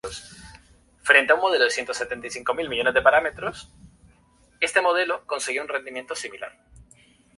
Bryan Rodríguez se inició en las divisiones menores de Emelec.